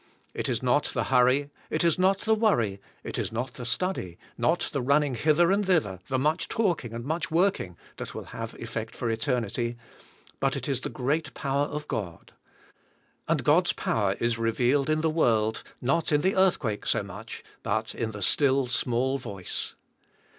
It is not the hurry, it is not the worry, it is not the study, not the running hither and thither, the much talking and much working that will have effect for eternity, but it is the great power of God. And God's power is revealed in the world, not in the earthquake so much, but in the still, small voice.